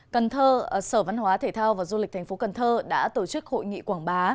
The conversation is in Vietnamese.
cần thơ sở văn hóa thể thao và du lịch thành phố cần thơ đã tổ chức hội nghị quảng bá